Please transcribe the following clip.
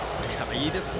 いいですね。